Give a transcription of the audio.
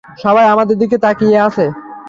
সবাই আমাদের দিকে তাকিয়ে আছে।